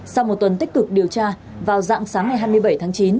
sau một tuần tích cực điều tra vào dạng sáng ngày hai mươi bảy tháng chín